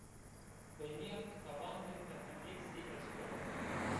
Peynîya kitaban de ferhengêk zî est o